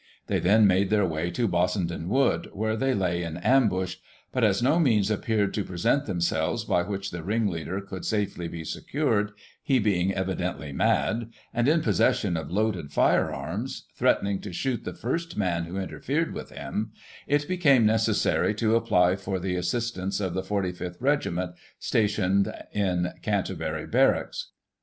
They then made their way to Bossenden Wood, where they lay in ambush ; but, as no means appeared to present themselves, by which the ringleader could safely be secured, he being evidently mad, and in possession of loaded firearms, threaten ing to shoot the first man who interfered with him, it be came necessary to apply for the assistance of the 45th regi ment, stationed in Canterbury barracks.